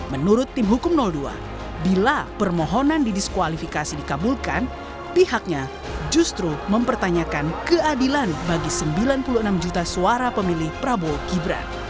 menurut tim hukum dua bila permohonan didiskualifikasi dikabulkan pihaknya justru mempertanyakan keadilan bagi sembilan puluh enam juta suara pemilih prabowo gibran